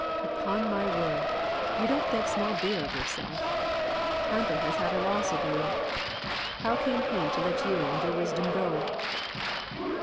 "Upon my word, you don't think small beer of yourself! Hamper has had a loss of you. How came he to let you and your wisdom go?"